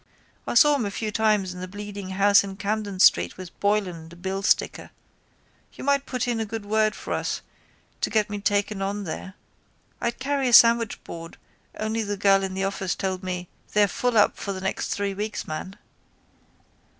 I saw him a few times in the Bleeding Horse in Camden street with Boylan, the billsticker. You might put in a good word for us to get me taken on there. I'd carry a sandwichboard only the girl in the office told me they're full up for the next three weeks, man.